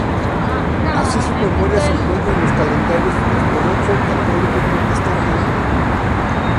Así su memoria se encuentra en los calendarios ortodoxo, católico y protestante.